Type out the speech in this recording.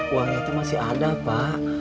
uang itu masih ada pak